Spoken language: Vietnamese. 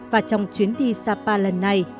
và trong chuyến đi sapa lần này